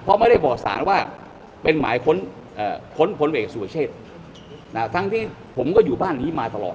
เพราะไม่ได้บอกสารว่าเป็นหมายค้นพลเอกสุรเชษทั้งที่ผมก็อยู่บ้านนี้มาตลอด